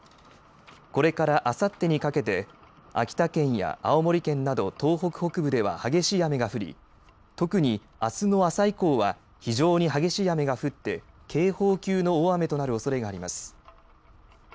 これから、あさってにかけて秋田県や青森県など東北北部では激しい雨が降り特に、あすの朝以降は非常に激しい雨が降って警報級の大雨となるおそれがあります。